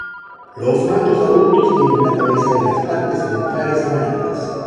Los machos adultos tienen la cabeza y las partes ventrales amarillas.